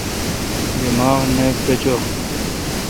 دماغ نہ پچو۔